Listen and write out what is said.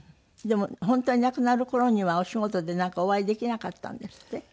でも本当に亡くなる頃にはお仕事でなんかお会いできなかったんですって？